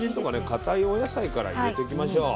かたいお野菜から入れてきましょう。